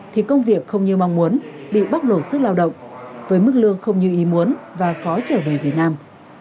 thì công việc không như mong muốn bị bóc lột sức lao động với mức lương không như ý muốn và khó trở về việt nam